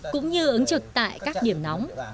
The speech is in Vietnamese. cũng như ứng trực tại các điểm nóng